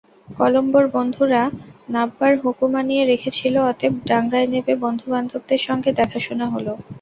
কলম্বোর বন্ধুরা নাববার হুকুম আনিয়ে রেখেছিল, অতএব ডাঙায় নেবে বন্ধু-বান্ধবদের সঙ্গে দেখাশুনা হল।